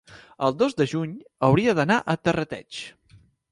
El dos de juny hauria d'anar a Terrateig.